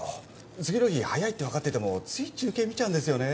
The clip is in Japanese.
次の日早いって分かっててもつい中継見ちゃうんですよね